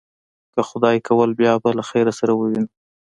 که خدای کول، بیا به له خیره سره ووینو.